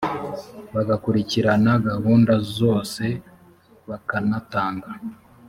bagakurikirana gahunda zose bakanatanga